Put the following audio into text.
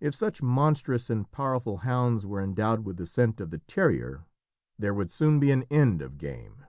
If such monstrous and powerful hounds were endowed with the scent of the terrier there would soon be an end of game.